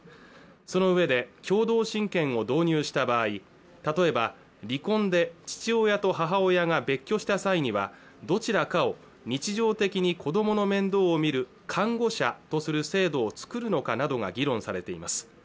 そのうえで共同親権を導入した場合例えば離婚で父親と母親が別居した際にはどちらかを日常的に子どもの面倒を見る監護者とする制度を作るのかなどが議論されています